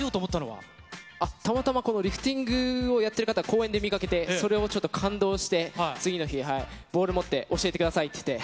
たまたまこのリフティングをやってる方、公園で見かけて、それをちょっと感動して、次の日、ボール持って教えてくださいって言って。